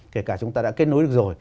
kể cả chúng ta đã kết nối được rồi